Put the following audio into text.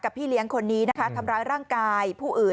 พี่เลี้ยงคนนี้นะคะทำร้ายร่างกายผู้อื่น